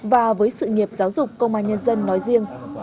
và với sự nghiệp giáo dục công an nhân dân nói riêng